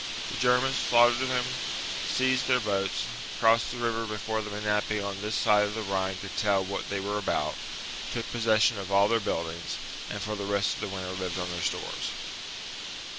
The Germans slaughtered them ; seized their boats ; crossed the river before the Menapii on this side of the Rhine could tell what they were about ; took possession of all their buildings ; and for the rest of the winter lived on their stores.